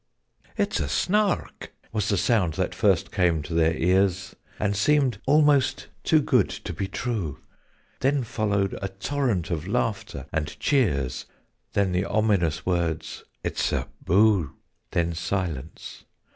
"It's a Snark!" was the sound that first came to their ears, And seemed almost too good to be true. Then followed a torrent of laughter and cheers: Then the ominous words "It's a Boo " Then, silence.